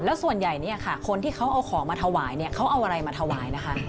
แล้วส่วนใหญ่เนี่ยค่ะคนที่เขาเอาของมาถวายเนี่ยเขาเอาอะไรมาถวายนะคะ